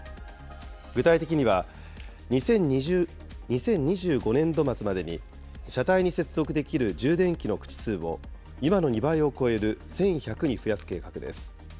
具体的には２０２５年度末までに車体に接続できる充電器の口数を今の２倍を超える１１００に増やす計画です。